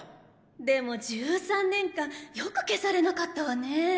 でも１３年間よく消されなかったわね。